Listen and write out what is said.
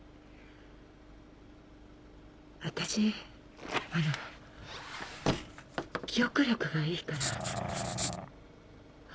私あの記憶力がいいから。